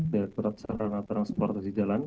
direkturat sarana transportasi jalan